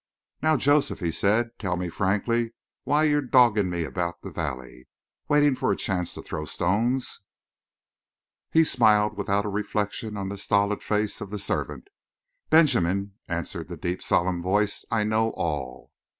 "Now, Joseph," he said, "tell me frankly why you're dodging me about the valley. Waiting for a chance to throw stones?" His smile remained without a reflection on the stolid face of the servant. "Benjamin," answered the deep, solemn voice, "I know all!"